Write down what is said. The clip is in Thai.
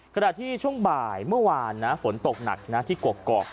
ขณะที่ช่วงบ่ายเมื่อวานนะฝนตกหนักนะที่กกอก